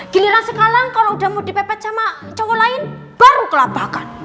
giliran sekarang kalau udah mau dipepet sama cowok lain baru kelapakan